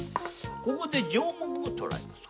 ここで呪文を唱えます。